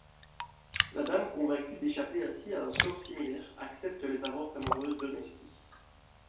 La dame convaincue d'échapper ainsi à un sort similaire, accepte les avances amoureuses d'Onesti.